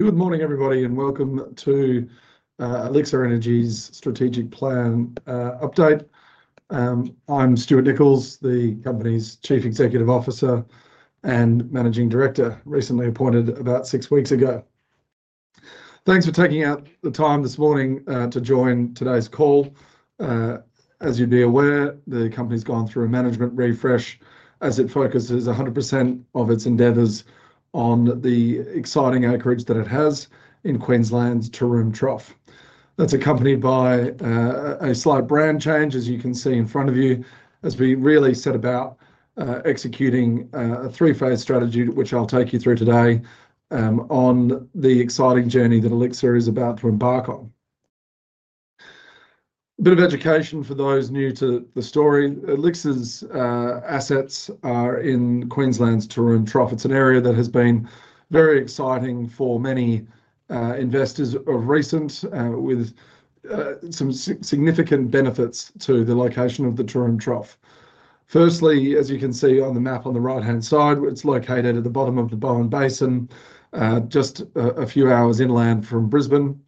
Good morning, everybody, and welcome to Elixir Energy's strategic plan update. I'm Stuart Nicholls, the company's Chief Executive Officer and Managing Director, recently appointed about six weeks ago. Thanks for taking out the time this morning to join today's call. As you'd be aware, the company's gone through a management refresh as it focuses 100% of its endeavors on the exciting acreage that it has in Queensland's Taroom Trough. That's accompanied by a slight brand change, as you can see in front of you, as we really set about executing a three-phase strategy, which I'll take you through today, on the exciting journey that Elixir is about to embark on. A bit of education for those new to the story. Elixir's assets are in Queensland's Taroom Trough. It's an area that has been very exciting for many investors of recent, with some significant benefits to the location of the Taroom Trough. Firstly, as you can see on the map on the right-hand side, it's located at the bottom of the Bowen Basin, just a few hours inland from Brisbane.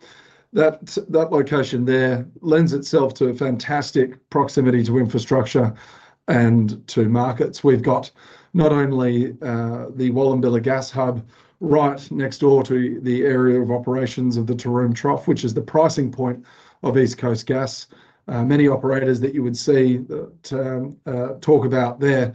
That location there lends itself to a fantastic proximity to infrastructure and to markets. We've got not only the Wallumbilla Gas Hub right next door to the area of operations of the Taroom Trough, which is the pricing point of East Coast Gas. Many operators that you would see that talk about their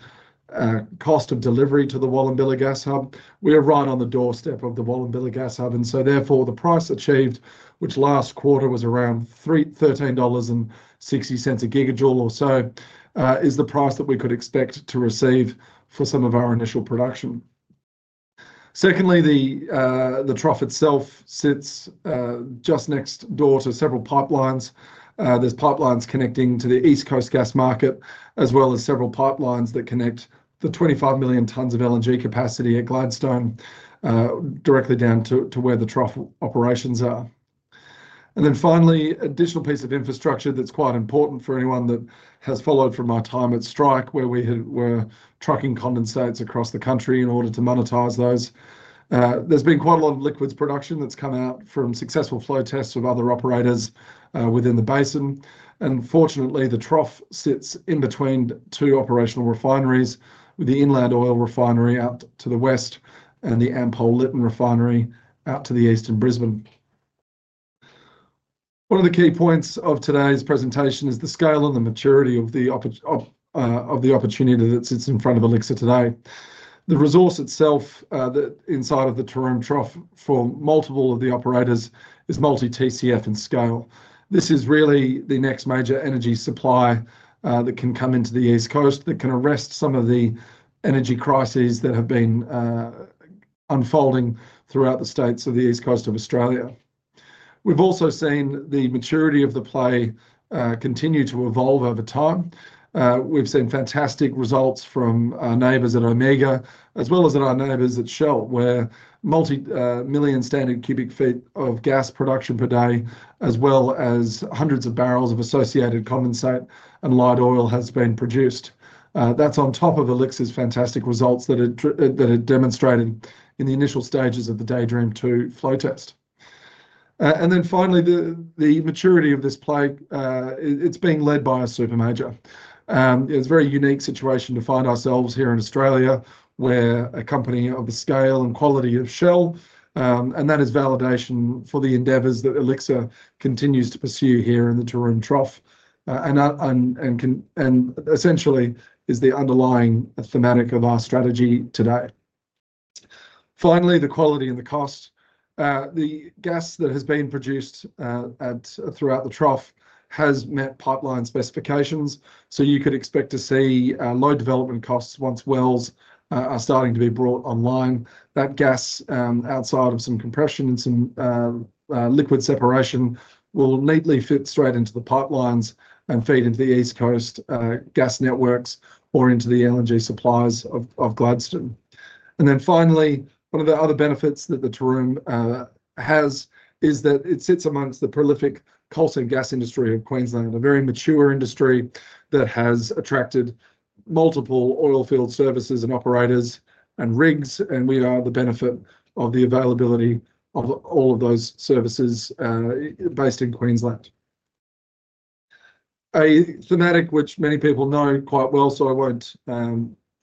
cost of delivery to the Wallumbilla Gas Hub. We are right on the doorstep of the Wallumbilla Gas Hub, and so therefore the price achieved, which last quarter was around 13.60 dollars a gigajoule or so, is the price that we could expect to receive for some of our initial production. Secondly, the trough itself sits just next door to several pipelines. There are pipelines connecting to the East Coast Gas market, as well as several pipelines that connect the 25 million tons of LNG capacity at Gladstone directly down to where the trough operations are. Finally, an additional piece of infrastructure that's quite important for anyone that has followed from my time at Strike, where we were trucking condensates across the country in order to monetize those. There has been quite a lot of liquids production that's come out from successful flow tests of other operators within the basin. Fortunately, the trough sits in between two operational refineries, with the Inland Oil Refinery out to the west and the Ampol-Lytton Refinery out to the east in Brisbane. One of the key points of today's presentation is the scale and the maturity of the opportunity that sits in front of Elixir Energy today. The resource itself, that inside of the Taroom Trough for multiple of the operators is multi-TCF in scale. This is really the next major energy supply, that can come into the East Coast that can arrest some of the energy crises that have been unfolding throughout the states of the East Coast of Australia. We've also seen the maturity of the play continue to evolve over time. We've seen fantastic results from our neighbors at Omega, as well as at our neighbors at Shell, where multi-million standard cubic feet of gas production per day, as well as hundreds of barrels of associated condensate and light oil, has been produced. That's on top of Elixir's fantastic results that it demonstrated in the initial stages of the Daydream-2 flow test. Finally, the maturity of this play, it's being led by a super major. It's a very unique situation to find ourselves here in Australia, where a company of the scale and quality of Shell, and that is validation for the endeavors that Elixir continues to pursue here in the Taroom Trough, and essentially is the underlying thematic of our strategy today. Finally, the quality and the cost. The gas that has been produced throughout the trough has met pipeline specifications, so you could expect to see low development costs once wells are starting to be brought online. That gas, outside of some compression and some liquid separation, will neatly fit straight into the pipelines and feed into the East Coast Gas networks or into the LNG suppliers of Gladstone. Finally, one of the other benefits that the Taroom has is that it sits amongst the prolific coal-stained gas industry of Queensland, a very mature industry that has attracted multiple oil field services and operators and rigs, and we are the benefit of the availability of all of those services, based in Queensland. A thematic which many people know quite well, so I won't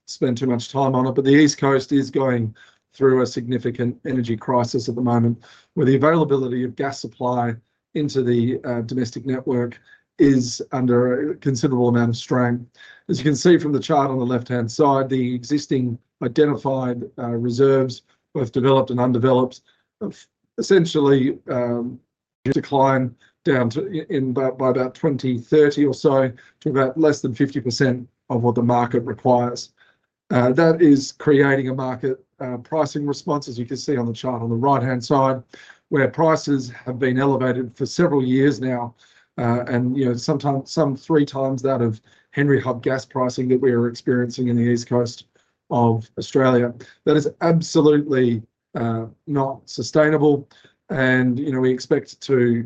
spend too much time on it, but the East Coast is going through a significant energy crisis at the moment, where the availability of gas supply into the domestic network is under a considerable amount of strain. As you can see from the chart on the left-hand side, the existing identified reserves, both developed and undeveloped, have essentially declined down to, in about, by about 2030 or so, to about less than 50% of what the market requires. That is creating a market pricing response, as you can see on the chart on the right-hand side, where prices have been elevated for several years now, and, you know, sometimes some three times that of Henry Hub gas pricing that we are experiencing in the East Coast of Australia. That is absolutely not sustainable, and, you know, we expect to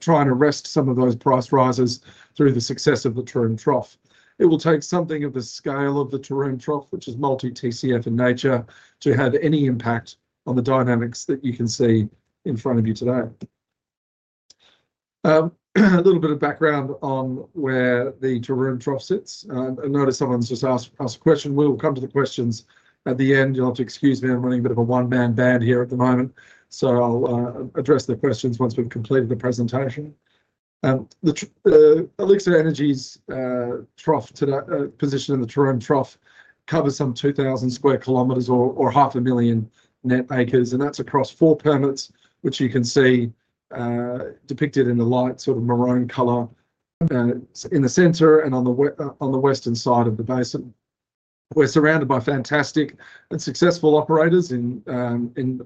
try and arrest some of those price rises through the success of the Taroom Trough. It will take something of the scale of the Taroom Trough, which is multi-TCF in nature, to have any impact on the dynamics that you can see in front of you today. A little bit of background on where the Taroom Trough sits. I notice someone's just asked a question. We'll come to the questions at the end. You'll have to excuse me. I'm running a bit of a one-man band here at the moment, so I'll address the questions once we've completed the presentation. Elixir Energy's position in the Taroom Trough covers some 2,000 sq km or 500,000 net acres, and that's across four permits, which you can see depicted in the light sort of maroon color in the center and on the western side of the basin. We're surrounded by fantastic and successful operators in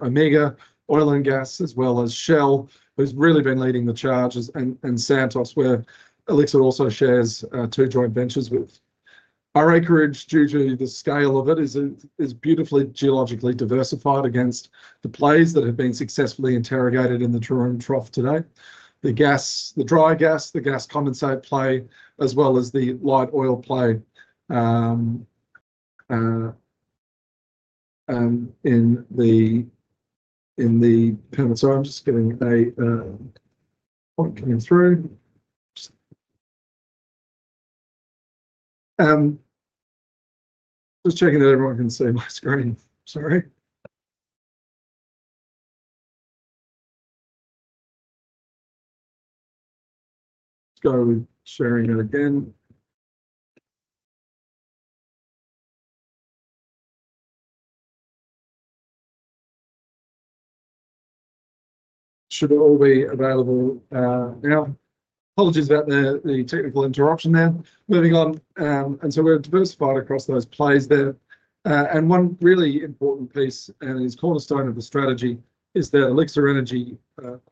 Omega Oil and Gas, as well as Shell, who's really been leading the charges, and Santos, where Elixir also shares two joint ventures with. Our acreage, due to the scale of it, is beautifully geologically diversified against the plays that have been successfully interrogated in the Taroom Trough today: the gas, the dry gas, the gas condensate play, as well as the light oil play in the permits. I'm just getting a point coming through. Just checking that everyone can see my screen. Sorry. Let's go with sharing it again. Should it all be available now? Apologies about the technical interruption there. Moving on, we are diversified across those plays there. One really important piece, and it is a cornerstone of the strategy, is that Elixir Energy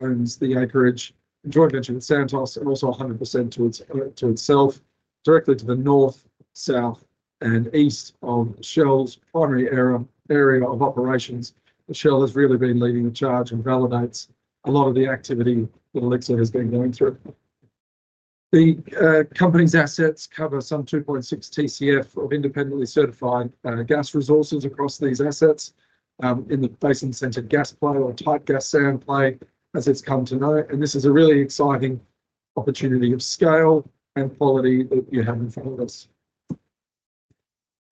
owns the acreage and joint venture with Santos, and also 100% to itself, directly to the north, south, and east of Shell's primary area of operations. Shell has really been leading the charge and validates a lot of the activity that Elixir has been going through. The company's assets cover some 2.6 TCF of independently certified gas resources across these assets, in the basin-centered gas play or type gas sand play, as it has come to be known. This is a really exciting opportunity of scale and quality that you have in front of us.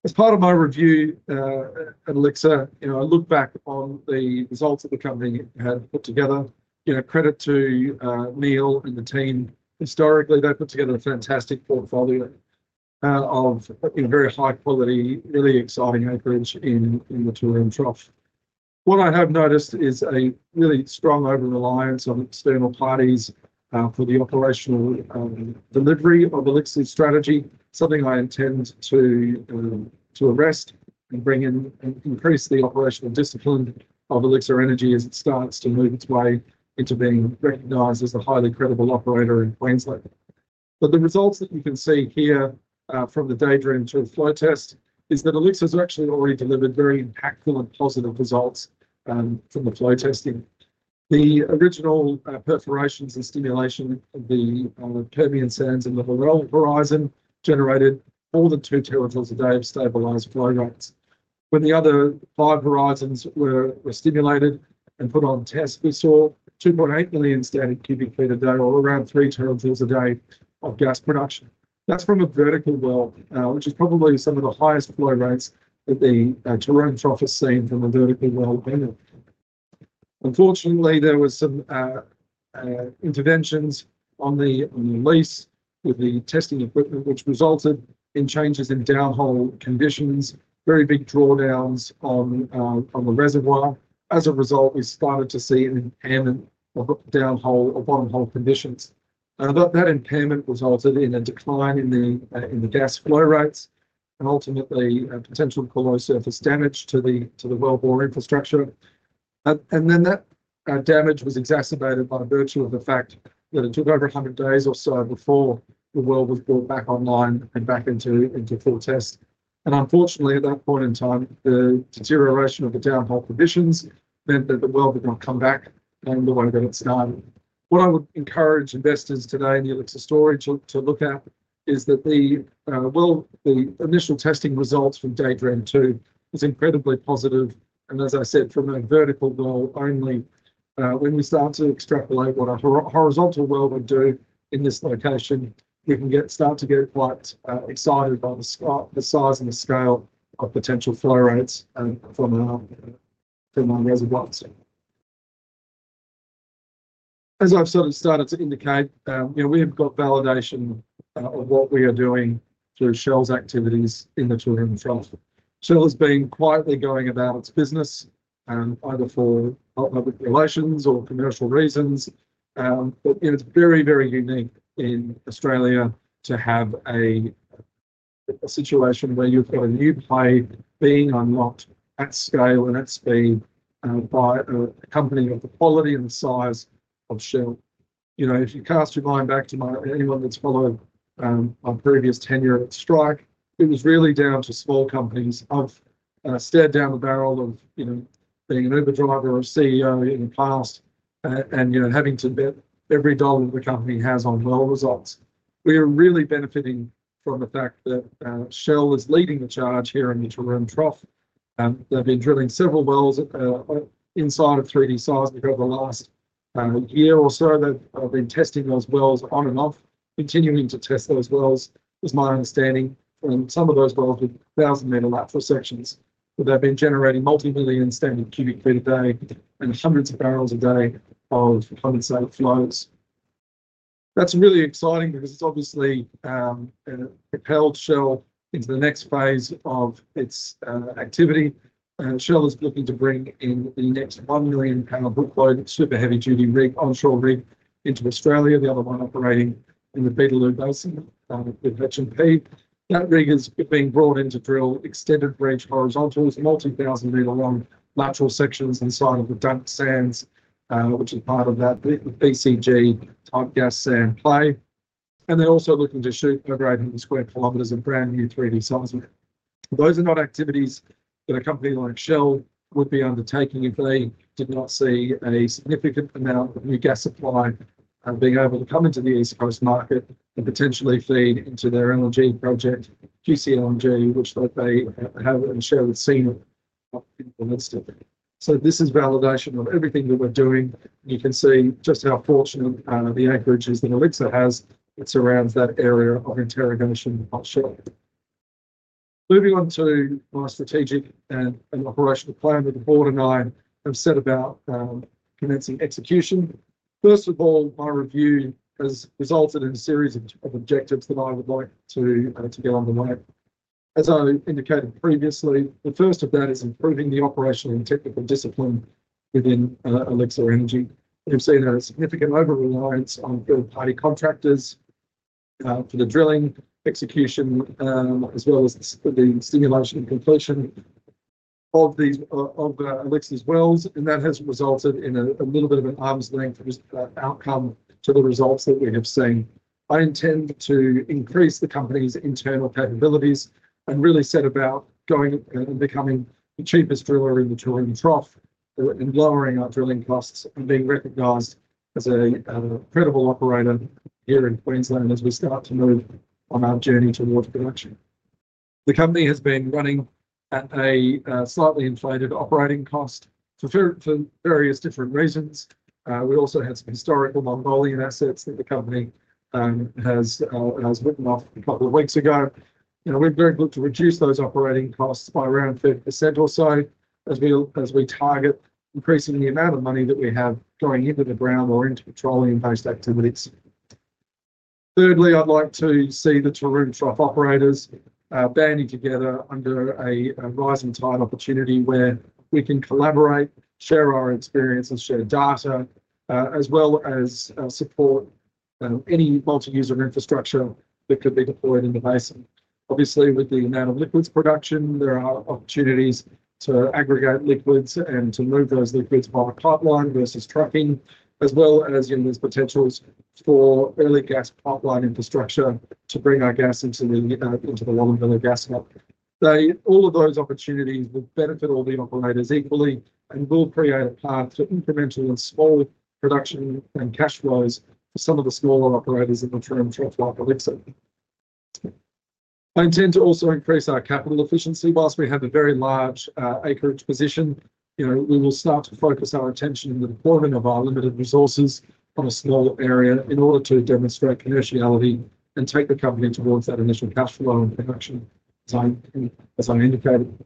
As part of my review, at Elixir, you know, I look back on the results that the company had put together. You know, credit to Neil and the team. Historically, they put together a fantastic portfolio of, you know, very high quality, really exciting acreage in the Taroom Trough. What I have noticed is a really strong over-reliance on external parties for the operational delivery of Elixir's strategy, something I intend to arrest and bring in and increase the operational discipline of Elixir Energy as it starts to move its way into being recognized as a highly credible operator in Queensland. The results that you can see here from the Daydream-2 flow test is that Elixir's actually already delivered very impactful and positive results from the flow testing. The original perforations and stimulation of the Permian Sands and Little Roock Horizon generated more than two terajoules a day of stabilized flow rates. When the other five horizons were stimulated and put on test, we saw 2.8 million standard cu ft a day, or around three terajoules a day of gas production. That's from a vertical well, which is probably some of the highest flow rates that the Taroom Trough has seen from a vertical well. Unfortunately, there were some interventions on the lease with the testing equipment, which resulted in changes in downhole conditions, very big drawdowns on the reservoir. As a result, we started to see an impairment of downhole or bottom hole conditions. That impairment resulted in a decline in the gas flow rates and ultimately, potential below surface damage to the wellbore infrastructure. That damage was exacerbated by virtue of the fact that it took over 100 days or so before the well was brought back online and back into full test. Unfortunately, at that point in time, the deterioration of the downhole conditions meant that the well would not come back in the way that it started. What I would encourage investors today in the Elixir story to look at is that the initial testing results from Daydream-2 was incredibly positive. As I said, from a vertical well only, when we start to extrapolate what a horizontal well would do in this location, you can start to get quite excited by the size and the scale of potential flow rates and from our reservoirs. As I've sort of started to indicate, you know, we have got validation of what we are doing through Shell's activities in the Taroom Trough. Shell has been quietly going about its business, either for public relations or commercial reasons. You know, it's very, very unique in Australia to have a situation where you've got a new play being unlocked at scale and at speed by a company of the quality and the size of Shell. You know, if you cast your mind back to my, anyone that's followed my previous tenure at Strike, it was really down to small companies, stared down the barrel of, you know, being an Uber driver or a CEO in the past, and, you know, having to bet every dollar the company has on well results. We are really benefiting from the fact that Shell is leading the charge here in the Taroom Trough. They've been drilling several wells inside of 3D size over the last year or so. They've been testing those wells on and off, continuing to test those wells, is my understanding. Some of those wells with 1,000 m lateral sections, they've been generating multi-million standard cubic feet a day and hundreds of barrels a day of condensate flows. That's really exciting because it's obviously propelled Shell into the next phase of its activity. Shell is looking to bring in the next $1 million bookload super heavy-duty rig, onshore rig, into Australia. The other one operating in the Beta Loop Basin with HMP. That rig has been brought in to drill extended bridge horizontals, multi-thousand meter long lateral sections inside of the Dunk Sands, which is part of that BCG type gas sand play. They are also looking to shoot over 800 sq km of brand new 3D seismic. Those are not activities that a company like Shell would be undertaking if they did not see a significant amount of new gas supply being able to come into the East Coast market and potentially feed into their LNG project, QC LNG, which they have and Shell has seen it in the midst of. This is validation of everything that we are doing. You can see just how fortunate the acreage is that Elixir has that surrounds that area of interrogation by Shell. Moving on to my strategic and operational plan that the board and I have set about commencing execution. First of all, my review has resulted in a series of objectives that I would like to get on the way. As I indicated previously, the first of that is improving the operational and technical discipline within Elixir Energy. We've seen a significant over-reliance on third-party contractors for the drilling execution, as well as the stimulation and completion of Elixir's wells. That has resulted in a little bit of an arm's length outcome to the results that we have seen. I intend to increase the company's internal capabilities and really set about going and becoming the cheapest driller in the Taroom Trough and lowering our drilling costs and being recognized as a credible operator here in Queensland as we start to move on our journey towards production. The company has been running at a slightly inflated operating cost for various different reasons. We also had some historical Mongolian assets that the company has written off a couple of weeks ago. You know, we're very good to reduce those operating costs by around 30% or so as we target increasing the amount of money that we have going into the ground or into petroleum-based activities. Thirdly, I'd like to see the Taroom Trough operators banding together under a rising tide opportunity where we can collaborate, share our experiences, share data, as well as support any multi-user infrastructure that could be deployed in the basin. Obviously, with the amount of liquids production, there are opportunities to aggregate liquids and to move those liquids by pipeline versus trucking, as well as, you know, there's potentials for early gas pipeline infrastructure to bring our gas into the Wallumbilla Gas Hub. They, all of those opportunities will benefit all the operators equally and will create a path to incremental and small production and cash flows for some of the smaller operators in the Taroom Trough like Elixir. I intend to also increase our capital efficiency. Whilst we have a very large acreage position, you know, we will start to focus our attention in the deployment of our limited resources on a small area in order to demonstrate commerciality and take the company towards that initial cash flow and production, as I indicated.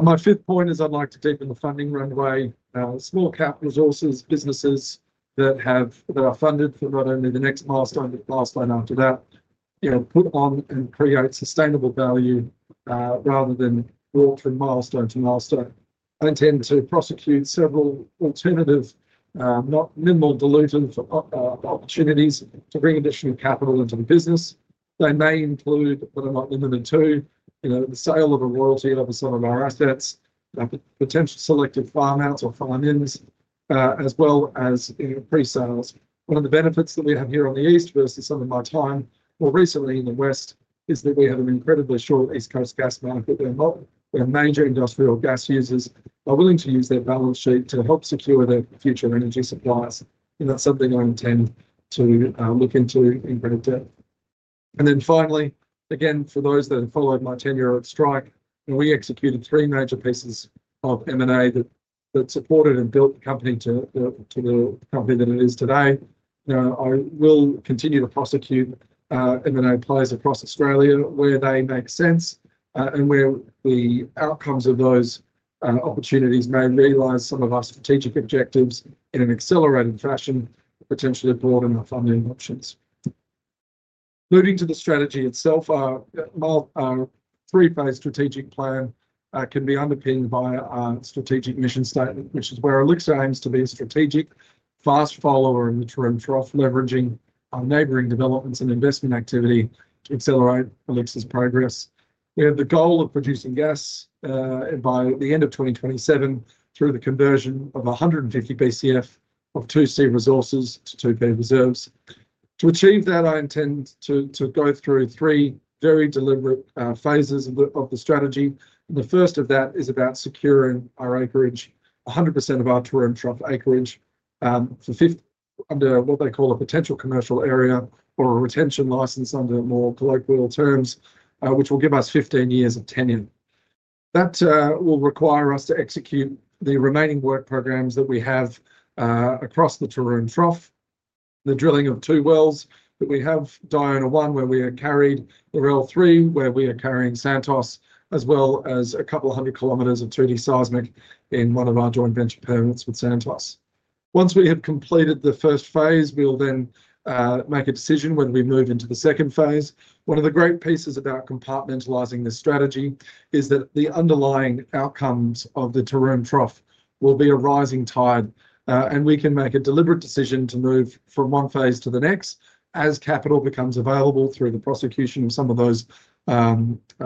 My fifth point is I'd like to deepen the funding runway, small cap resources businesses that are funded for not only the next milestone, but the milestone after that, you know, put on and create sustainable value, rather than walk from milestone to milestone. I intend to prosecute several alternative, not minimal dilutive opportunities to bring additional capital into the business. They may include, but are not limited to, you know, the sale of a royalty of some of our assets, potential selective farm outs or farm ins, as well as, you know, pre-sales. One of the benefits that we have here on the east versus some of my time more recently in the west is that we have an incredibly short East Coast Gas market. There, major industrial gas users are willing to use their balance sheet to help secure their future energy supplies. That's something I intend to look into in great depth. Finally, for those that have followed my tenure at Strike, you know, we executed three major pieces of M&A that supported and built the company to the company that it is today. I will continue to prosecute M&A plays across Australia where they make sense, and where the outcomes of those opportunities may realize some of our strategic objectives in an accelerated fashion, potentially broaden the funding options. Moving to the strategy itself, our three-phase strategic plan can be underpinned by our strategic mission statement, which is where Elixir aims to be a strategic fast follower in the Taroom Trough, leveraging our neighboring developments and investment activity to accelerate Elixir's progress. We have the goal of producing gas by the end of 2027 through the conversion of 150 BCF of 2C resources to 2P reserves. To achieve that, I intend to go through three very deliberate phases of the strategy. The first of that is about securing our acreage, 100% of our Taroom Trough acreage, for 15 years under what they call a potential commercial area or a retention license under more colloquial terms, which will give us 15 years of tenure. That will require us to execute the remaining work programs that we have across the Taroom Trough, the drilling of two wells that we have, Diona-1, where we are carried, the Lorelle-3, where we are carrying Santos, as well as a couple hundred kilometers of 2D seismic in one of our joint venture permits with Santos. Once we have completed the first phase, we'll then make a decision when we move into the second phase. One of the great pieces about compartmentalizing this strategy is that the underlying outcomes of the Taroom Trough will be a rising tide, and we can make a deliberate decision to move from one phase to the next as capital becomes available through the prosecution of some of those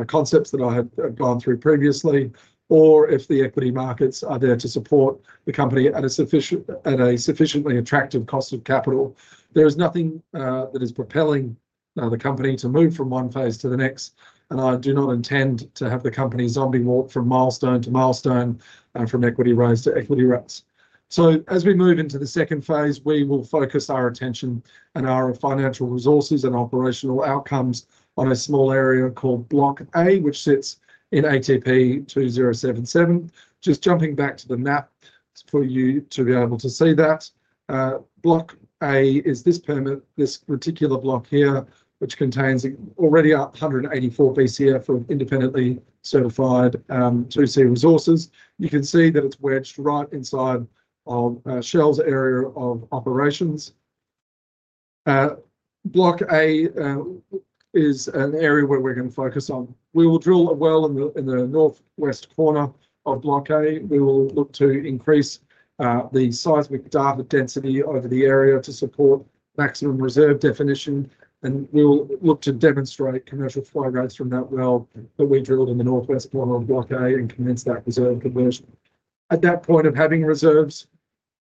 concepts that I had gone through previously, or if the equity markets are there to support the company at a sufficiently attractive cost of capital. There is nothing that is propelling the company to move from one phase to the next. I do not intend to have the company zombie walk from milestone to milestone and from equity rise to equity rise. As we move into the second phase, we will focus our attention and our financial resources and operational outcomes on a small area called Block A, which sits in ATP 2077. Just jumping back to the map for you to be able to see that, Block A is this permit, this particular block here, which contains already 184 BCF of independently certified, 2C resources. You can see that it's wedged right inside of Shell's area of operations. Block A is an area where we're going to focus on. We will drill a well in the northwest corner of Block A. We will look to increase the seismic data density over the area to support maximum reserve definition. We'll look to demonstrate commercial flow rates from that well that we drilled in the northwest corner of Block A and commence that reserve conversion. At that point of having reserves,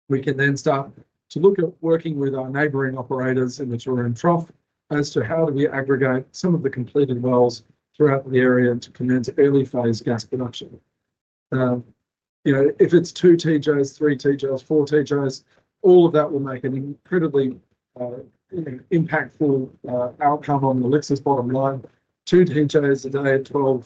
we can then start to look at working with our neighboring operators in the Taroom Trough as to how do we aggregate some of the completed wells throughout the area to commence early phase gas production. You know, if it's two TJs, three TJs, four TJs, all of that will make an incredibly, you know, impactful, outcome on Elixir's bottom line. Two TJs a day at 12 million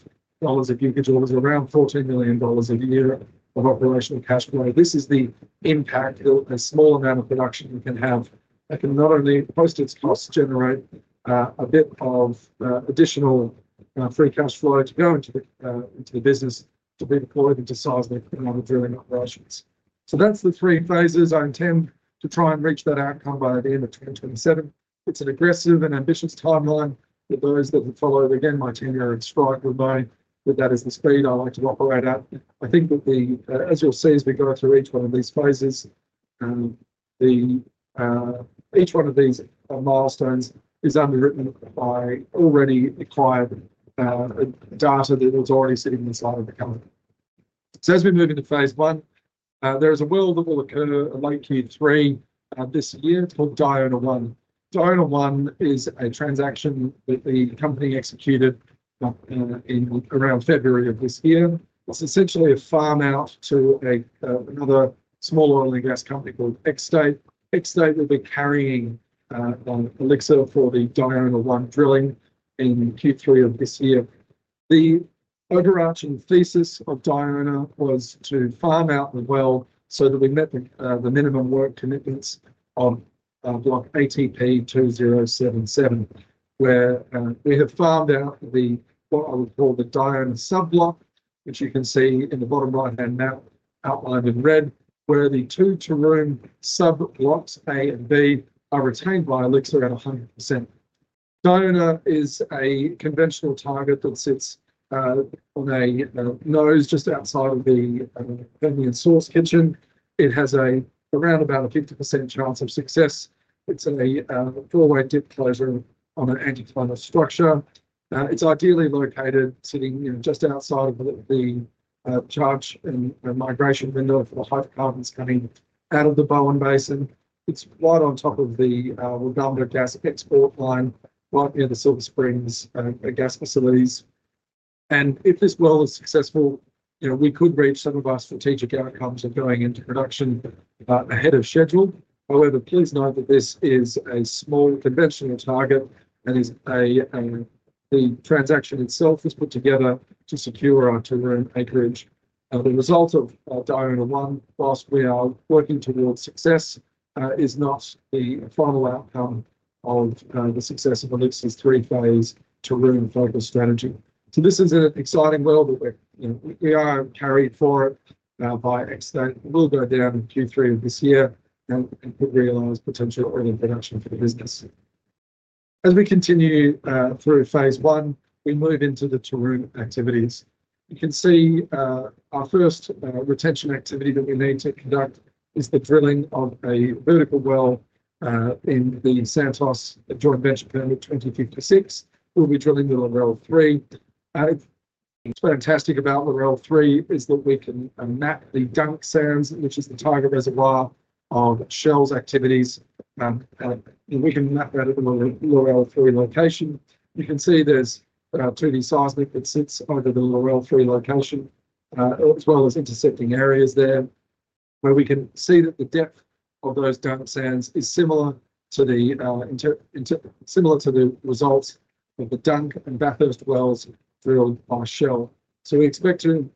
dollars, if you could, is around 14 million dollars a year of operational cash flow. This is the impact that a small amount of production can have. It can not only post its costs, generate, a bit of, additional, free cash flow to go into the, into the business to be deployed into seismic and other drilling operations. That's the three phases. I intend to try and reach that outcome by the end of 2027. It's an aggressive and ambitious timeline that those that have followed, again, my tenure at Strike would know that that is the speed I like to operate at. I think that the, as you'll see as we go through each one of these phases, each one of these milestones is underwritten by already acquired data that was already sitting inside of the company. As we move into phase one, there is a well that will occur late Q3 this year called Diona-1. Diona-1 is a transaction that the company executed in around February of this year. It's essentially a farm out to another small oil and gas company called Xstate. Xstate will be carrying Elixir for the Diona-1 drilling in Q3 of this year. The overarching thesis of Diona was to farm out the well so that we met the minimum work commitments of Block ATP 2077, where we have farmed out what I would call the Diona sub-block, which you can see in the bottom right-hand map outlined in red, where the two Taroom sub-blocks, A and B, are retained by Elixir at 100%. Diona is a conventional target that sits on a nose just outside of the Permian Source Kitchen. It has around about a 50% chance of success. It is a four-way dip closure on an anticline structure. It is ideally located sitting, you know, just outside of the charge and migration window for the hydrocarbons coming out of the Bowen Basin. It is right on top of the Wollongongo gas export line, right near the Silver Springs gas facilities. If this well is successful, you know, we could reach some of our strategic outcomes of going into production ahead of schedule. However, please note that this is a small conventional target and the transaction itself was put together to secure our Taroom acreage. The result of Diona-1, whilst we are working towards success, is not the final outcome of the success of Elixir's three-phase Taroom focus strategy. This is an exciting well that we are carried for by Xstate. We will go down in Q3 of this year and could realize potential early production for the business. As we continue through phase one, we move into the Taroom activities. You can see our first retention activity that we need to conduct is the drilling of a vertical well in the Santos joint venture permit 2056. We'll be drilling the Lorelle-3. What's fantastic about Lorelle-3 is that we can map the Dunk Sands, which is the target reservoir of Shell's activities. We can map that at the Lorelle-3 location. You can see there's 2D seismic that sits over the Lorelle-3 location, as well as intersecting areas there where we can see that the depth of those Dunk Sands is similar to the results of the Dunk and Bathurst wells drilled by Shell. We expect to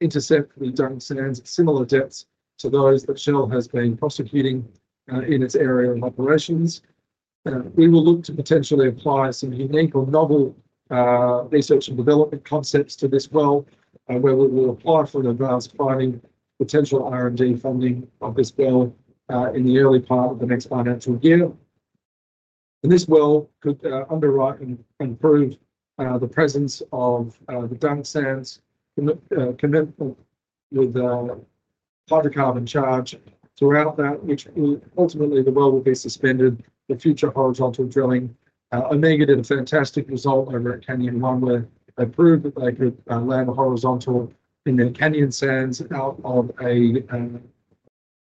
intercept the Dunk Sands at similar depths to those that Shell has been prosecuting in its area of operations. We will look to potentially apply some unique or novel research and development concepts to this well, where we will apply for an advanced planning, potential R&D funding of this well, in the early part of the next financial year. This well could underwrite and prove the presence of the Dunk Sands commitment with hydrocarbon charge throughout that, which will ultimately, the well will be suspended. The future horizontal drilling, Omega did a fantastic result over at Canyon Runway. They proved that they could land horizontal in their Canyon Sands out of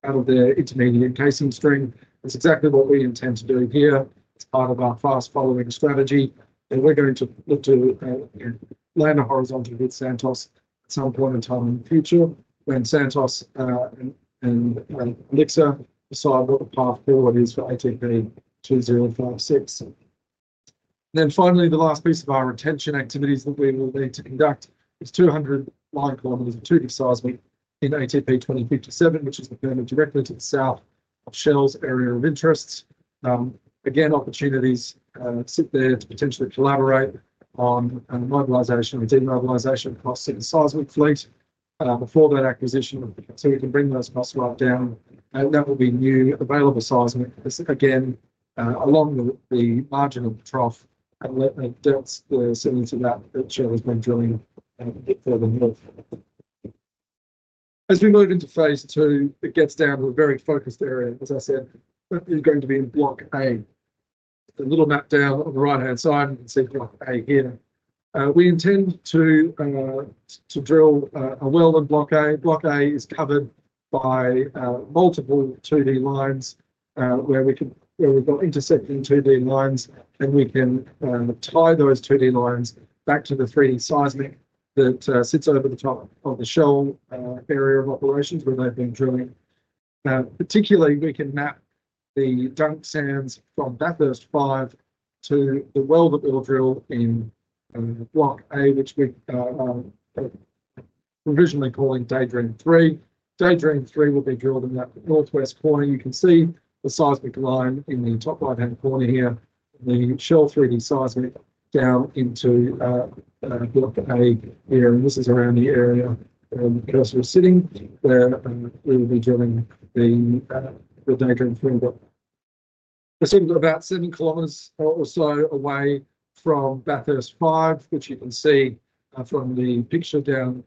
their intermediate casing string. It's exactly what we intend to do here. It's part of our fast following strategy. We're going to look to land a horizontal with Santos at some point in time in the future when Santos and Elixir decide what the path forward is for ATP 2056. Finally, the last piece of our retention activities that we will need to conduct is 200 line kilometers of 2D seismic in ATP 2057, which is the permit directly to the south of Shell's area of interests. Again, opportunities sit there to potentially collaborate on mobilization and demobilization across the seismic fleet before that acquisition. We can bring those costs right down. That will be new available seismic. It is again along the margin of the trough and delts, similar to that which Shell has been drilling further north. As we move into phase two, it gets down to a very focused area, as I said, that is going to be in Block A. The little map down on the right-hand side, you can see Block A here. We intend to drill a well in Block A. Block A is covered by multiple 2D lines, where we have intersecting 2D lines and we can tie those 2D lines back to the 3D seismic that sits over the top of the Shell area of operations where they have been drilling. Particularly, we can map the Dunk Sands from Bathurst 5 to the well that we'll drill in Block A, which we are provisionally calling Daydream-3. Daydream-3 will be drilled in that northwest corner. You can see the seismic line in the top right-hand corner here, the Shell 3D seismic down into Block A here. This is around the area where the cursor is sitting where we will be drilling the Daydream-3 block. We're sitting about 7 km or so away from Bathurst 5, which you can see from the picture down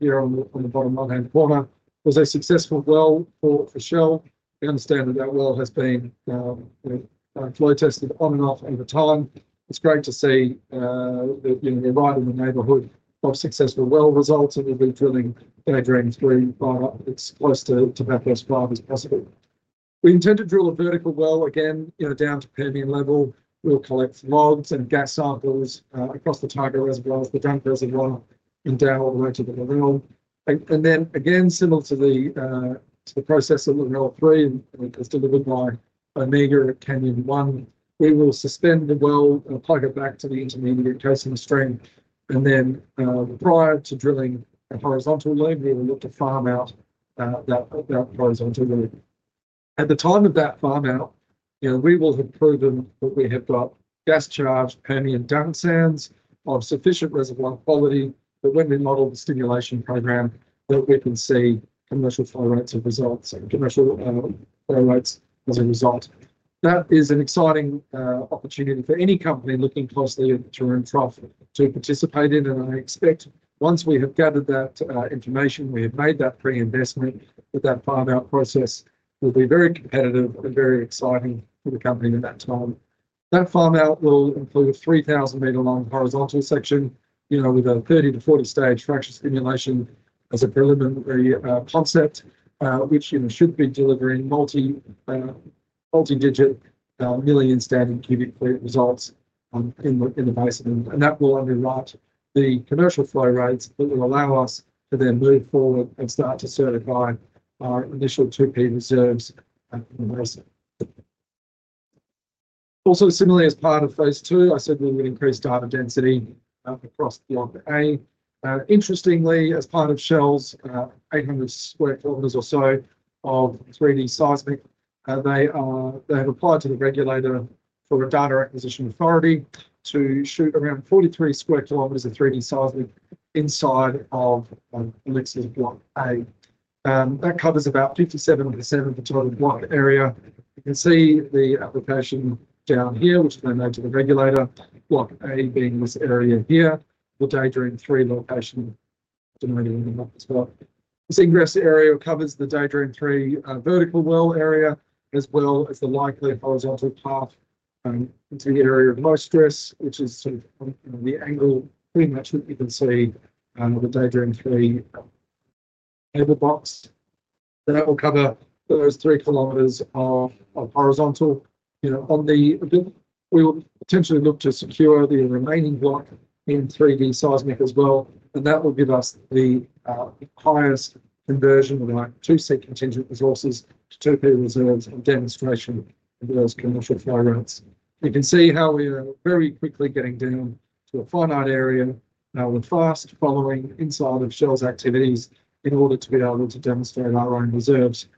here on the bottom right-hand corner. There's a successful well for Shell. We understand that that well has been, you know, flow tested on and off over time. It's great to see that, you know, we're right in the neighborhood of successful well results and we'll be drilling Daydream-3 by, it's close to, to Bathurst 5 as possible. We intend to drill a vertical well again, you know, down to Permian level. We'll collect logs and gas samples across the target reservoirs, the Dunk reservoir, and down all the way to the Lorelle. And then again, similar to the process of Lorelle-3, it's delivered by Omega at Canyon-1. We will suspend the well and plug it back to the intermediate casing string. Prior to drilling a horizontal loop, we will look to farm out that, that horizontal loop. At the time of that farm out, you know, we will have proven that we have got gas charged Permian Dunk Sands of sufficient reservoir quality that when we model the stimulation program, that we can see commercial flow rates of results, commercial flow rates as a result. That is an exciting opportunity for any company looking closely at the Taroom Trough to participate in. I expect once we have gathered that information, we have made that pre-investment, that that farm out process will be very competitive and very exciting for the company at that time. That farm out will include a 3,000 m long horizontal section, you know, with a 30-40 stage fracture stimulation as a preliminary concept, which, you know, should be delivering multi, multi-digit, million standard cubic feet results on in the, in the basin. That will underwrite the commercial flow rates that will allow us to then move forward and start to certify our initial 2P reserves at the basin. Also, similarly, as part of phase two, I said we would increase data density across Block A. Interestingly, as part of Shell's 800 sq km or so of 3D seismic, they have applied to the regulator for a data acquisition authority to shoot around 43 sq km of 3D seismic inside of Elixir's Block A. That covers about 57% of the total block area. You can see the application down here, which they made to the regulator, Block A being this area here, the Daydream-3 location denoted in the map as well. This ingress area covers the Daydream-3 vertical well area, as well as the likely horizontal path into the area of low stress, which is sort of, you know, the angle pretty much that you can see, the Daydream-3 table box. That will cover those 3 km of horizontal, you know, we will potentially look to secure the remaining block in 3D seismic as well. That will give us the highest conversion of our 2C contingent resources to 2P reserves and demonstration of those commercial flow rates. You can see how we are very quickly getting down to a finite area, with fast following inside of Shell's activities in order to be able to demonstrate our own reserves.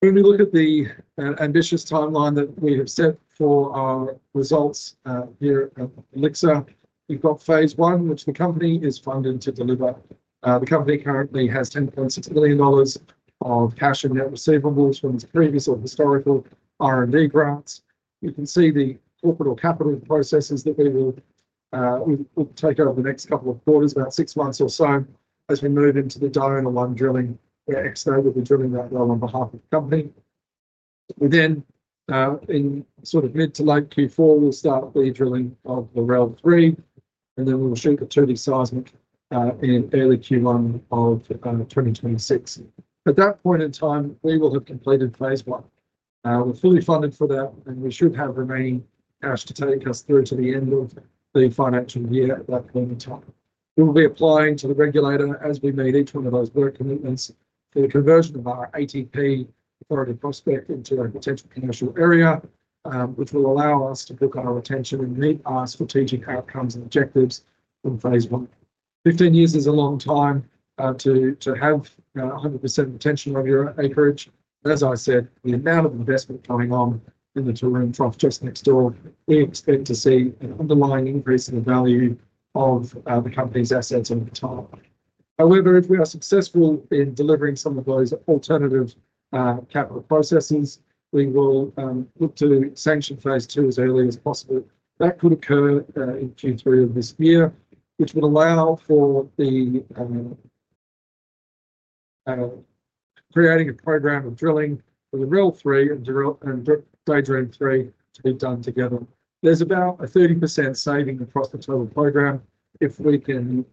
When we look at the ambitious timeline that we have set for our results here at Elixir Energy, we've got phase one, which the company is funded to deliver. The company currently has 10.6 million dollars of cash and net receivables from its previous or historical R&D grants. You can see the corporate or capital processes that we will take over the next couple of quarters, about six months or so, as we move into the Diona-1 drilling, where Xstate will be drilling that well on behalf of the company. We then, in sort of mid to late Q4, will start the drilling of Lorelle-3, and then we'll shoot the 2D seismic in early Q1 of 2026. At that point in time, we will have completed phase one. We're fully funded for that, and we should have remaining cash to take us through to the end of the financial year at that point in time. We'll be applying to the regulator as we meet each one of those work commitments for the conversion of our ATP authority prospect into a potential commercial area, which will allow us to book our retention and meet our strategic outcomes and objectives from phase one. Fifteen years is a long time to have 100% retention of your acreage. As I said, the amount of investment coming on in the Taroom Trough just next door, we expect to see an underlying increase in the value of the company's assets over time. However, if we are successful in delivering some of those alternative capital processes, we will look to sanction phase two as early as possible. That could occur in Q3 of this year, which would allow for creating a program of drilling for the Lorelle-3 and Daydream-3 to be done together. There's about a 30% saving across the total program if we can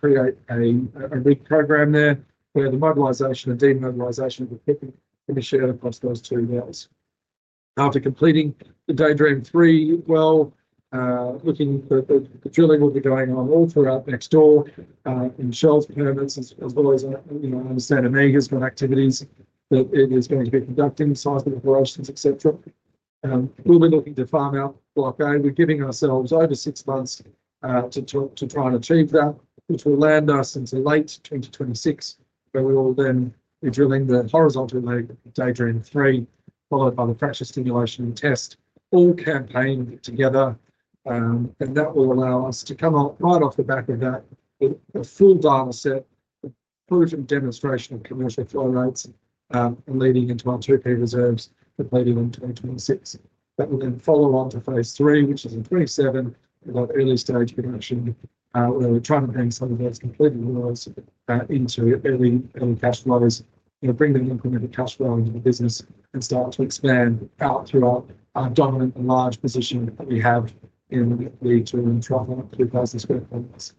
create a reprogram there where the mobilisation and demobilisation of the equipment can be shared across those two wells. After completing the Daydream-3 well, looking at the drilling will be going on all throughout next door, in Shell's permits as well as, you know, I understand Omega's got activities that it is going to be conducting, seismic operations, et cetera. We'll be looking to farm out Block A. We're giving ourselves over six months to try and achieve that, which will land us into late 2026, where we will then be drilling the horizontal leg of Daydream-3, followed by the fracture stimulation and test, all campaigned together. That will allow us to come out right off the back of that with a full data set, a proven demonstration of commercial flow rates, and leading into our 2P reserves completed in 2026. That will then follow on to phase three, which is in 2027, about early stage production, where we're trying to bring some of those completed wells into early, early cash flows, you know, bring the implemented cash flow into the business and start to expand out throughout our dominant and large position that we have in the Taroom Trough at 2,000 sq km.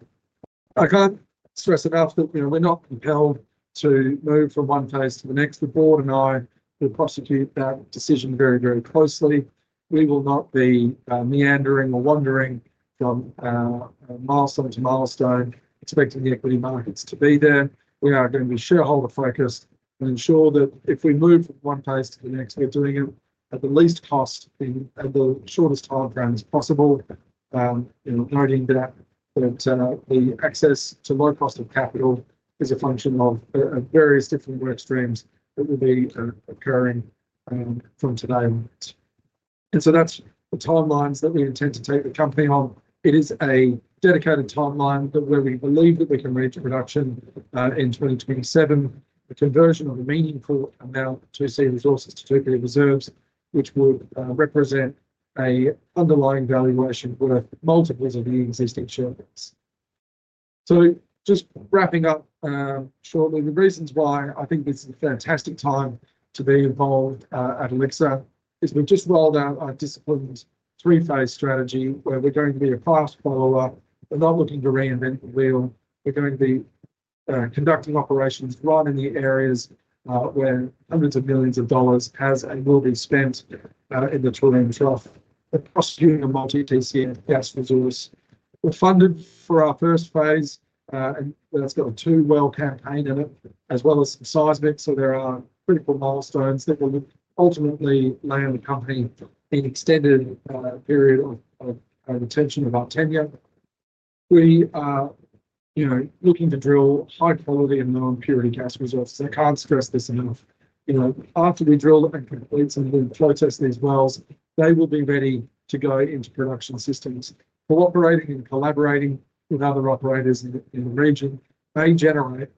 I can't stress enough that, you know, we're not compelled to move from one phase to the next. The board and I will prosecute that decision very, very closely. We will not be meandering or wandering from milestone to milestone, expecting the equity markets to be there. We are going to be shareholder focused and ensure that if we move from one phase to the next, we're doing it at the least cost in the shortest timeframe as possible. You know, noting that the access to low cost of capital is a function of various different work streams that will be occurring from today onwards. That is the timeline that we intend to take the company on. It is a dedicated timeline that where we believe that we can reach a reduction, in 2027, a conversion of a meaningful amount of 2C resources to 2P reserves, which would represent an underlying valuation worth multiples of the existing share price. Just wrapping up, shortly, the reasons why I think this is a fantastic time to be involved at Elixir is we've just rolled out our disciplined three-phase strategy where we're going to be a fast follow-up. We're not looking to reinvent the wheel. We're going to be conducting operations right in the areas where hundreds of millions of dollars has and will be spent in the Taroom Trough, prosecuting a multi-TC gas resource. We're funded for our first phase, and that's got a two-well campaign in it, as well as some seismic. There are critical milestones that will ultimately land the company in an extended period of retention of our tenure. We are, you know, looking to drill high quality and non-purity gas resources. I can't stress this enough. You know, after we drill and complete some of the flow tests, these wells, they will be ready to go into production systems. Cooperating and collaborating with other operators in the region, they generate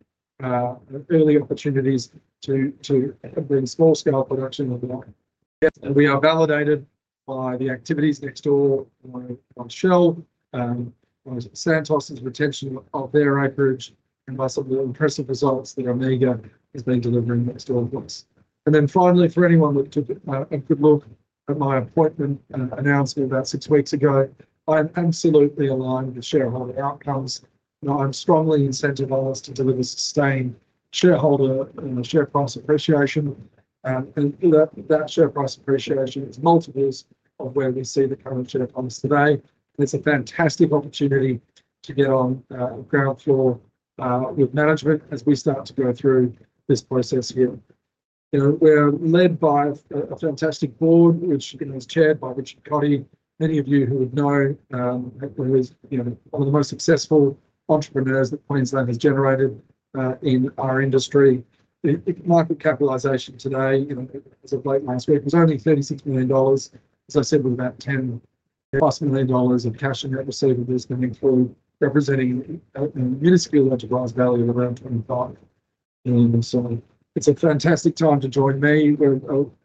early opportunities to have small scale production. We are validated by the activities next door by Shell, by Santos's retention of their acreage, and by some of the impressive results that Omega has been delivering next door for us. Finally, for anyone that took a good look at my appointment announcement about six weeks ago, I'm absolutely aligned with shareholder outcomes. You know, I'm strongly incentivized to deliver sustained shareholder, share price appreciation. That share price appreciation is multiples of where we see the current share price today. It's a fantastic opportunity to get on, ground floor, with management as we start to go through this process here. You know, we're led by a fantastic board, which, you know, is chaired by Richard Coddy, many of you who would know, who is, you know, one of the most successful entrepreneurs that Queensland has generated, in our industry. The market capitalization today, you know, as of late last week, was only 36 million dollars. As I said, with about 10 million dollars+ of cash and net receivables coming through, representing a minuscule enterprise value of around 25 million. It's a fantastic time to join me. We're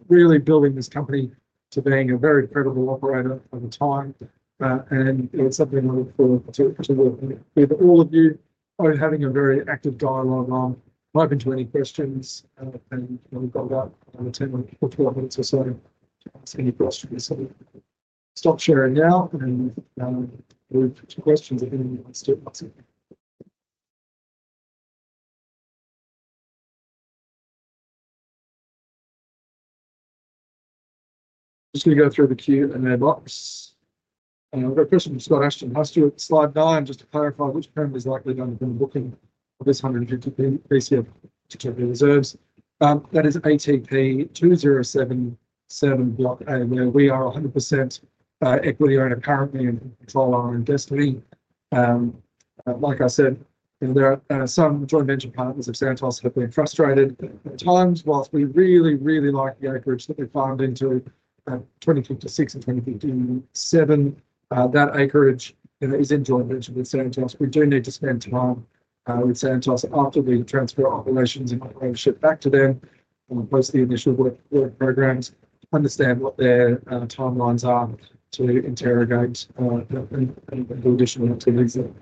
really building this company to being a very credible operator over time. and it's something I look forward to, to work with all of you. I'm having a very active dialogue on. I'm open to any questions. we've got about another 10 or 12 minutes or so to ask any questions. I will stop sharing now and move to questions if anyone wants to ask it. Just going to go through the Q&A box. we've got a question from Scott Ashton. How's to slide nine? Just to clarify, which permit is likely to underpin the booking of this 150 TC reserves? that is ATP 2077 Block A, where we are 100% equity owner, currently in control of our own destiny. like I said, you know, there are some joint venture partners of Santos have been frustrated at times. Whilst we really, really like the acreage that they've farmed into, 2056 and 2057, that acreage is in joint venture with Santos. We do need to spend time with Santos after the transfer operations and operatorship back to them and post the initial work programs, understand what their timelines are to interrogate the additional activities that,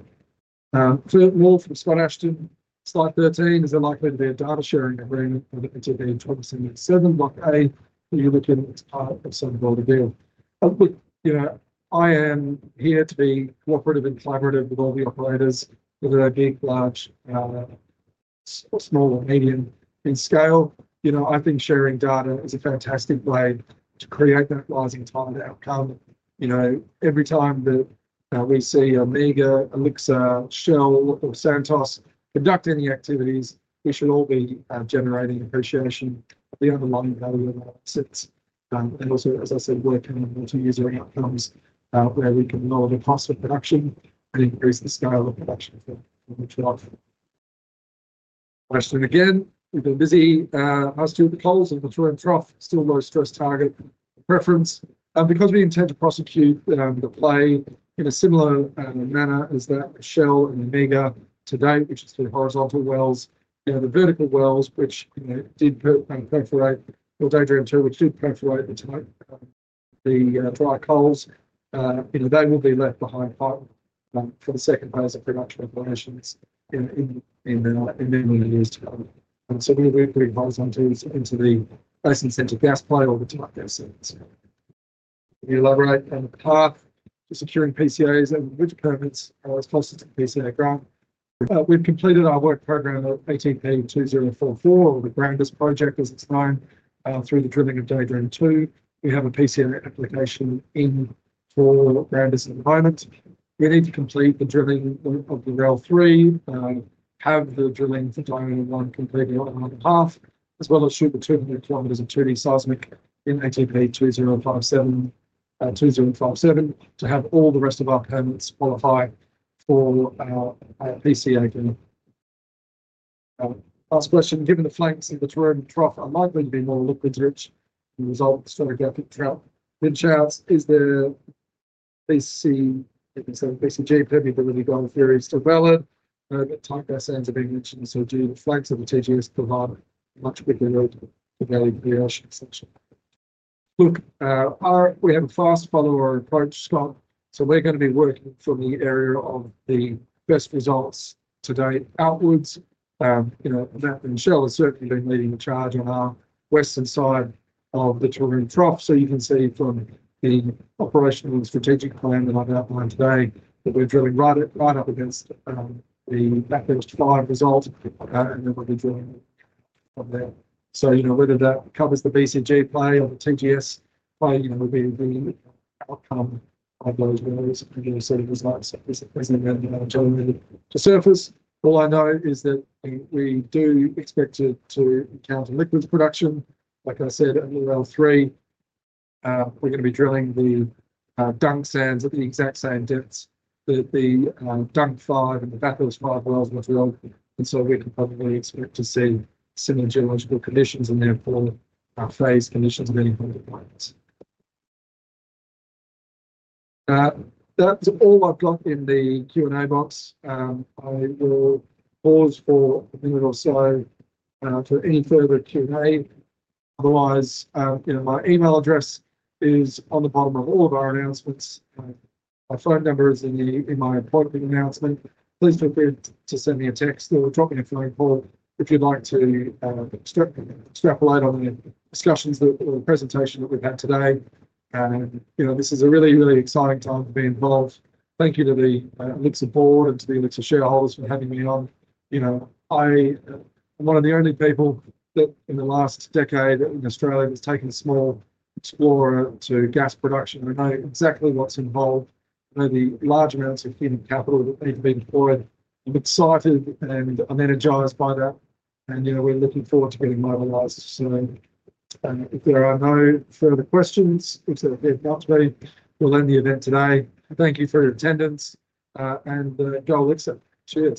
so more from Scott Ashton. Slide 13, is there likely to be a data sharing agreement with ATP 2077 Block A that you're looking at as part of some board of deal? Look, you know, I am here to be cooperative and collaborative with all the operators, whether they're big, large, small or medium in scale. You know, I think sharing data is a fantastic way to create that rising time to outcome. You know, every time that we see Omega, Elixir, Shell, or Santos conduct any activities, we should all be generating appreciation of the underlying value of our assets. And also, as I said, working on multi-user outcomes, where we can lower the cost of production and increase the scale of production for the entire. Question again. We've been busy, asked you the polls on the Taroom Trough, still low stress target preference. Because we intend to prosecute the play in a similar manner as that of Shell and Omega to date, which is the horizontal wells, you know, the vertical wells, which, you know, did perforate, or Daydream-2, which did perforate the type, the dry coals, you know, they will be left behind part, for the second phase of production operations in many years to come. We'll be putting horizontals into the basin-centered gas play or the tight gas settings. Can you elaborate on the path to securing PCAs and which permits are as close as the PCA grant? We've completed our work program at ATP 2044, or the Brandis project as it's known, through the drilling of Daydream-2. We have a PCA application in for Brandis at the moment. We need to complete the drilling of Lorelle-3, have the drilling for Diona-1 completed on the other half, as well as shoot the 200 km of 2D seismic in ATP 2057 to have all the rest of our permits qualify for our PCA drilling. Last question. Given the flanks of the Taroom Trough are likely to be more liquid rich and result in stratigraphic traps than shales, is there TGS permeability going through still valid? The tight gas sands are being mentioned. Do the flanks of the TGS provide a much bigger load to value for the ocean section? Look, we have a fast follower approach, Scott. We are going to be working from the area of the best results to date outwards. You know, Matt and Shell are certainly leading the charge on our western side of the Taroom Trough. You can see from the operational and strategic plan that I have outlined today that we are drilling right up against the Bathurst 5 result, and then we will be drilling from there. Whether that covers the BCG play or the TGS play will be the outcome of those wells and the sort of results as they then are generated to surface. All I know is that we do expect to encounter liquid production. Like I said, at the Lorelle-3, we're going to be drilling the Dunk Sands at the exact same depths that the Dunk-5 and the back of those five wells were drilled. We can probably expect to see similar geological conditions and therefore our phase conditions at any point of the plan. That's all I've got in the Q&A box. I will pause for a minute or so for any further Q&A. Otherwise, you know, my email address is on the bottom of all of our announcements. My phone number is in my appointment announcement. Please feel free to send me a text or drop me a phone call if you'd like to extrapolate on the discussions or the presentation that we've had today. You know, this is a really, really exciting time to be involved. Thank you to the Elixir board and to the Elixir shareholders for having me on. You know, I am one of the only people that in the last decade in Australia that's taken a small explorer to gas production. I know exactly what's involved. I know the large amounts of human capital that need to be deployed. I'm excited and I'm energized by that. You know, we're looking forward to getting mobilized. If there are no further questions, which there did not be, we'll end the event today. Thank you for your attendance, and go Elixir. Cheers.